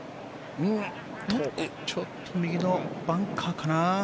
ちょっと右のバンカーかな。